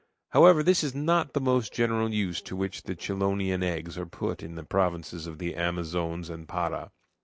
However, this is not the most general use to which the chelonian eggs are put in the provinces of Amazones and Para.